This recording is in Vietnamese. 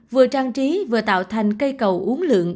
vừa trang trí vừa tạo thành cây cầu uống lượng